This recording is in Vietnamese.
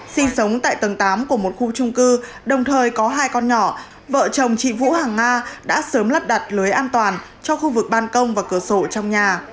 sinh sống tại tầng tám của một khu trung cư đồng thời có hai con nhỏ vợ chồng chị vũ hàng nga đã sớm lắp đặt lưới an toàn cho khu vực ban công và cửa sổ trong nhà